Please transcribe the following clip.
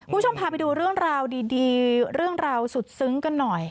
คุณผู้ชมพาไปดูเรื่องราวดีเรื่องราวสุดซึ้งกันหน่อย